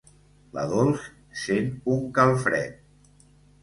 La Dols sent un calfred.